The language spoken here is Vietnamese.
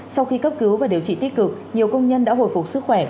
sau khi cấp cứu và điều trị tích cực nhiều công nhân đã hồi phục sức khỏe